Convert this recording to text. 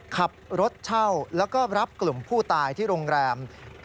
ขับรถเช่าแล้วก็รับกลุ่มผู้ตายที่โรงแรม